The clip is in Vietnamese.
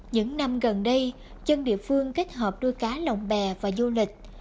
những năm gần đây dân địa phương kết hợp đuôi cá lộng bè và du lịch